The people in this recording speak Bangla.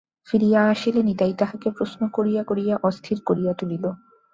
ফিরিয়া আসিলে নিতাই তাঁহাকে প্রশ্ন করিয়া করিয়া অস্থির করিয়া তুলিল।